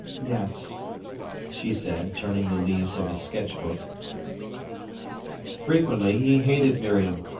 "Yes," she said, turning the leaves of his sketch book. Frequently he hated Miriam.